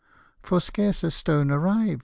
For scarce a stone arrived, ?